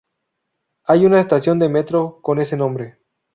Hay una estación de metro con ese nombre.